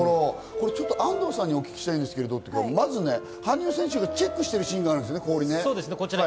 安藤さんにお聞きしたいんですけれども、まず羽生選手がチェックしているシーンがあるんですよね、氷。